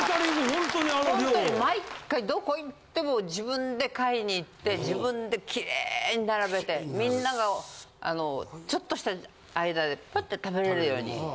ほんとに毎回どこ行っても自分で買いに行って自分でキレイに並べてみんながちょっとした間でパッて食べれるように。